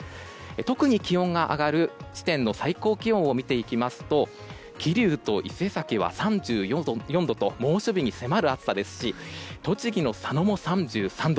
特に気温が上がる地点の最高気温を見ていきますと桐生と伊勢崎は３４度と猛暑日に迫る暑さですし栃木の佐野も３３度。